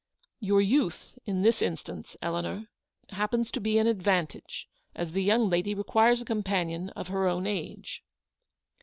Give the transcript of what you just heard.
Your youth, in this instance, Eleanor, happens to be an advantage, as the young lady requires a companion of her own age.